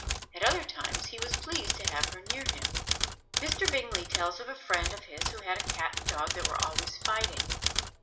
At other times, he was pleased to have her near him. Mr. Bingley tells of a friend of his who had a Cat and Dog that were always fighting.